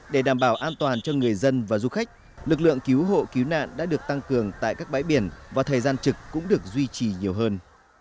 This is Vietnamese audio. để đảm bảo an toàn cho người dân và du khách lực lượng cứu hộ cứu nạn đã được tăng cường tại các bãi biển và thời gian trực cũng được duy trì nhiều hơn